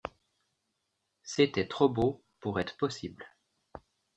C’était trop beau pour être possible.